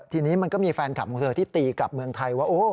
ทีนี้มันก็มีแฟนคลับของเธอที่ตีกลับเมืองไทยว่า